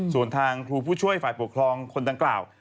ส่วนทางครูผู้ช่วยฝ่ายปกครองคนดังกล่าว